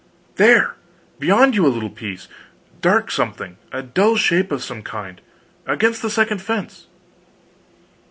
"There beyond you a little piece dark something a dull shape of some kind against the second fence."